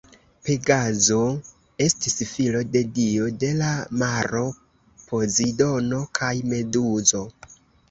Pegazo estis filo de dio de la maro Pozidono kaj Meduzo.